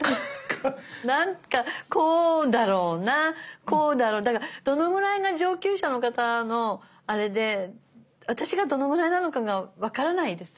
なんかこうだろうなこうだろうだからどのぐらいが上級者の方のあれで私がどのぐらいなのかが分からないです。